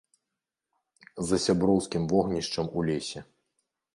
За сяброўскім вогнішчам у лесе.